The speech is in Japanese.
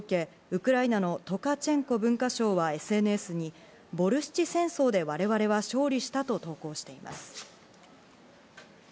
ウクライナのトカチェンコ文化相はＳＮＳにボルシチ戦争で我々は勝利したと投稿しています。